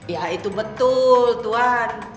ya itu betul tuan